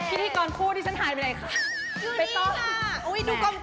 พี่ที่ก่อนพูดที่ฉันหายไปไหนค่ะ